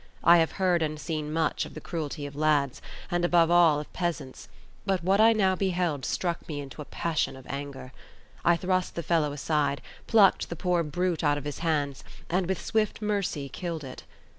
I have heard and seen much of the cruelty of lads, and above all of peasants; but what I now beheld struck me into a passion of anger. I thrust the fellow aside, plucked the poor brute out of his hands, and with swift mercy killed it.